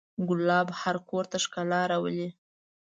ګلاب هر کور ته ښکلا راولي.